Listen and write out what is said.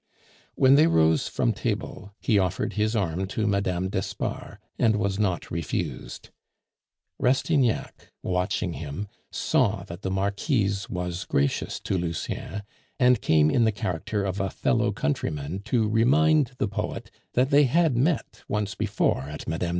When they rose from table, he offered his arm to Mme. d'Espard, and was not refused. Rastignac, watching him, saw that the Marquise was gracious to Lucien, and came in the character of a fellow countryman to remind the poet that they had met once before at Mme.